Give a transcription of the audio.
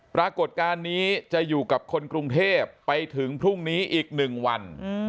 ปรากฏการณ์นี้จะอยู่กับคนกรุงเทพไปถึงพรุ่งนี้อีก๑วัน